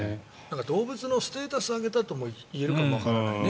動物のステータスを上げたともいえるかもわからないね